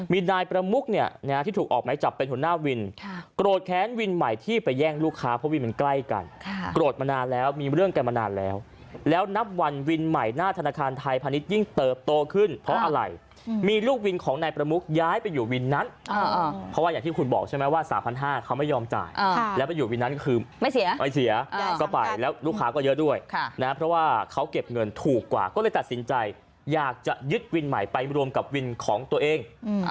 ไม่เห็นรถพยาบาลเข้ามารับผู้ที่ถูกยิง